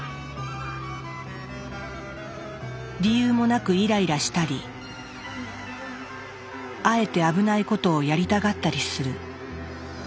理由もなくイライラしたりあえて危ないことをやりたがったりする。